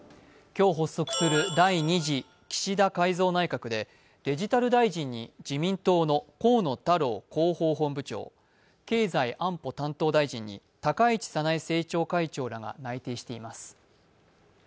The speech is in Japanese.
今日発足する第２次岸田改造内閣でデジタル大臣に自民党の河野太郎広報本部長、経済安保担当大臣に高市早苗政調会長らが内定しています。